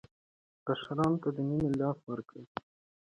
کشرانو ته د مینې لاس ورکړئ.